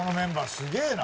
すげえな。